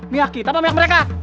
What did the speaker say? mihak kita apa mihak mereka